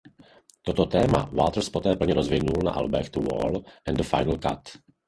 Toto téma Waters poté plně rozvinul na albech "The Wall" a "The Final Cut".